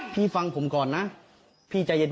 พี่ฟังผมก่อนนะพี่จะเย็น